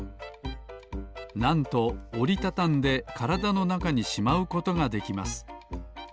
なんとおりたたんでからだのなかにしまうことができます。